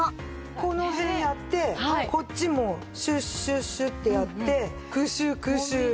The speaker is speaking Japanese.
この辺やってこっちもシュッシュッシュッてやってクシュクシュ。